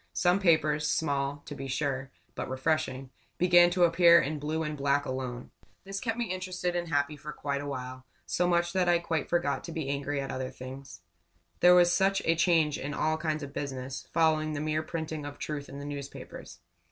Some papers small, to be sure, but refreshing began to appear in blue and black alone. This kept me interested and happy for quite a while; so much so that I quite forgot to be angry at other things. There was such a change in all kinds of business, following the mere printing of truth in the newspapers.